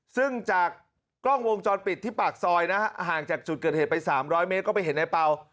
ซึ่งจากกล้องวงจรปิดที่ปากซอยนะฮะห่างจากจุดเกิดเหตุไป๓๐๐เมตรก็ไปเห็นในเปล่า